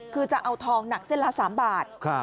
คือจะเอาทองหนักเส้นละ๓บาท